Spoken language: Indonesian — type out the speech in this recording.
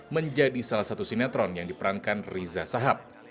menjadi salah satu sinetron yang diperankan riza sahab